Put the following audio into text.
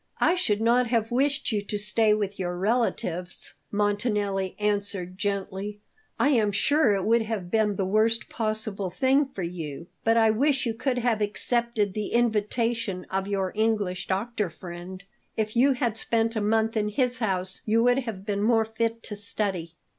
"I should not have wished you to stay with your relatives," Montanelli answered gently. "I am sure it would have been the worst possible thing for you. But I wish you could have accepted the invitation of your English doctor friend; if you had spent a month in his house you would have been more fit to study."